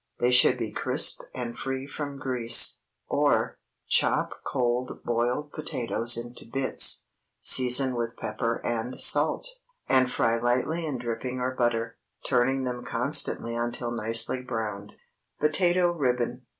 They should be crisp and free from grease. Or, Chop cold boiled potatoes into bits, season with pepper and salt, and fry lightly in dripping or butter, turning them constantly until nicely browned. POTATO RIBBON.